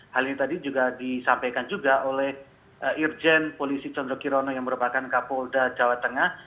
hal ini tadi juga disampaikan juga oleh irjen polisi condo kirono yang merupakan kapolda jawa tengah